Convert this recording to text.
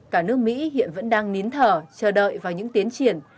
cả nước mỹ hiện vẫn đang nín thở chờ đợi vào những tiến triển